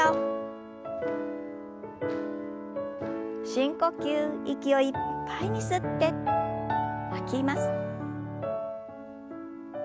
深呼吸息をいっぱいに吸って吐きます。